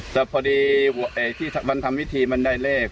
แต่พอดีที่มันทำวิธีมันได้เลข